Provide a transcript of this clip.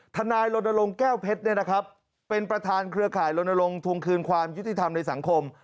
นายลนลงแก้วเพชรเป็นประธานเครือข่ายลนลงทวงคืนความยุติธรรมในสังคม